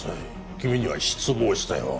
君には失望したよ